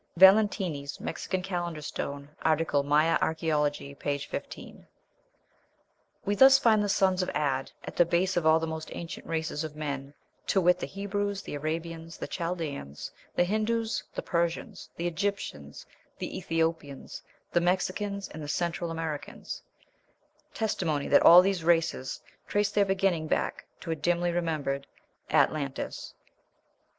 (Valentini's "Mexican Calendar Stone," art. Maya Archæology, p. 15.) We thus find the sons of Ad at the base of all the most ancient races of men, to wit, the Hebrews, the Arabians, the Chaldeans, the Hindoos, the Persians, the Egyptians, the Ethiopians, the Mexicans, and the Central Americans; testimony that all these races traced their beginning back to a dimly remembered Ad lantis.